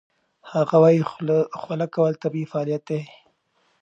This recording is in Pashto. هغه وايي خوله کول طبیعي فعالیت دی.